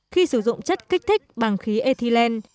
khi sử dụng chất kích thích bằng khí ethylene